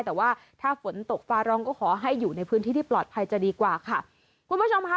แต่ว่าถ้าฝนตกฟ้าร้องก็ขอให้อยู่ในพื้นที่ที่ปลอดภัยจะดีกว่าค่ะคุณผู้ชมค่ะ